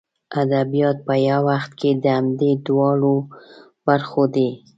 ادبیات په یو وخت کې د همدې دواړو برخو دي.